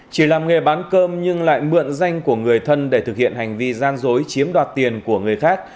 chỉ làm nghề bán cơm nhưng lại mượn danh của người thân để thực hiện hành vi gian dối chiếm đoạt tiền của người khác